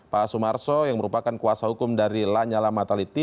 pak sumarso yang merupakan kuasa hukum dari lanyala mataliti